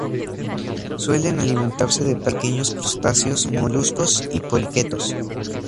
Suelen alimentarse de pequeños crustáceos, moluscos y poliquetos.